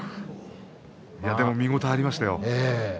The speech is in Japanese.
見応えがありましたよ。